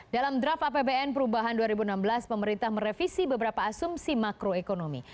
dalam draft apbn perubahan dua ribu enam belas pemerintah merevisi beberapa asumsi makroekonomi